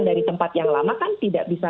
dari tempat yang lama kan tidak bisa